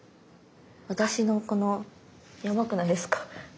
私のこのヤバくないですか？